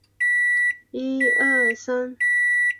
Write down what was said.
大原野神社是一座位于日本京都市西京区大原野的神社。